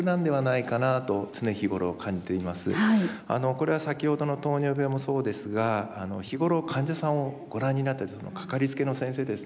これは先ほどの糖尿病もそうですが日頃患者さんをご覧になっているかかりつけの先生ですね